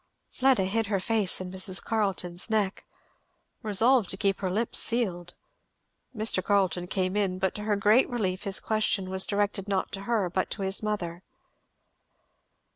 Fleda hid her face in Mrs. Carleton's neck, resolved to keep her lips sealed. Mr. Carleton came in, but to her great relief his question was directed not to her but his mother.